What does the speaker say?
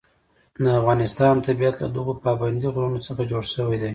د افغانستان طبیعت له دغو پابندي غرونو څخه جوړ شوی دی.